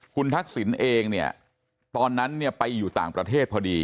คุณทักษิณเองเนี่ยตอนนั้นเนี่ยไปอยู่ต่างประเทศพอดี